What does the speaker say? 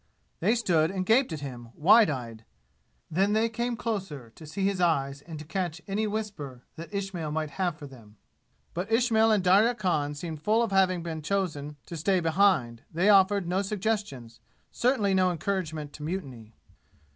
They stood and gaped at him, wide eyed then came closer to see his eyes and to catch any whisper that Ismail might have for them. But Ismail and Darya Khan seemed full of having been chosen to stay behind; they offered no suggestions certainly no encouragement to mutiny.